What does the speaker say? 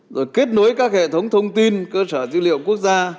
rồi kết nối các hệ thống thông tin cơ sở dữ liệu quốc gia